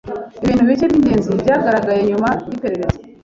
Ibintu bike byingenzi byagaragaye nyuma yiperereza.